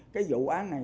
cái vụ án này